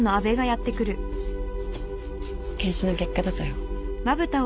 検視の結果出たよ。